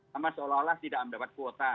sama seolah olah tidak mendapat kuota